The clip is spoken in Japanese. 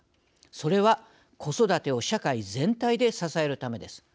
それは子育てを社会全体で支えるためです。